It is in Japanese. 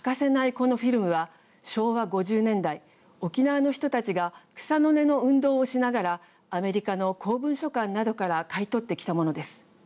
このフィルムは昭和５０年代沖縄の人たちが草の根の運動をしながらアメリカの公文書館などから買い取ってきたものです。